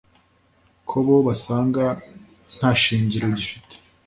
ko bo basanga nta shingiro gifite